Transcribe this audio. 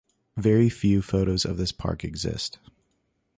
Very few photos of this park exist.